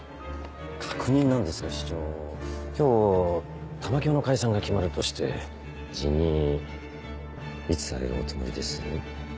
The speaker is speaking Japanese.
確認なんですが市長今日玉響の解散が決まるとして辞任いつされるおつもりです？